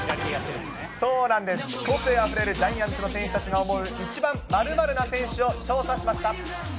そうなんです、個性あふれるジャイアンツの選手が思う一番○○な選手を調査しま